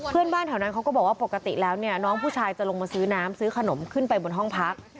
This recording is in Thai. เพื่อนบ้านแถวนั้นเขาก็บอกว่าปกติแล้วเนี่ยน้องผู้ชายจะลงมาซื้อน้ำซื้อขนมขึ้นไปบนห้องพัก